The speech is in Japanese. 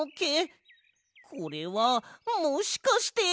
これはもしかして。